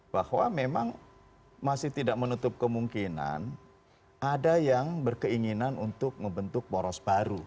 bahwa memang masih tidak menutup kemungkinan ada yang berkeinginan untuk membentuk poros baru